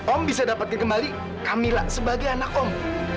om bisa dapatkan kembali kami sebagai anak om